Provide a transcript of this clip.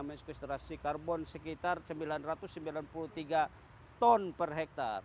meniskustrasi karbon sekitar sembilan ratus sembilan puluh tiga ton per hektare